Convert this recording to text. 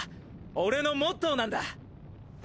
俺のモットーなんだ！